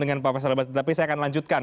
dengan pak faisal bas tapi saya akan lanjutkan